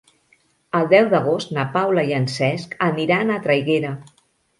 El deu d'agost na Paula i en Cesc aniran a Traiguera.